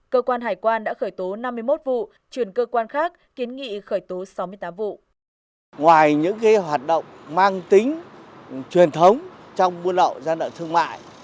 cơ quan hải quan đã khởi tố năm triệu đồng tăng chín mươi năm so với năm hai nghìn một mươi sáu